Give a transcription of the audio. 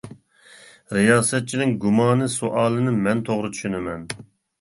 رىياسەتچىنىڭ گۇمانى سوئالىنى مەن توغرا چۈشىنىمەن.